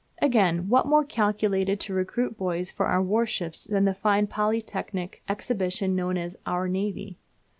Again, what more calculated to recruit boys for our warships than the fine Polytechnic exhibition known as "Our Navy"?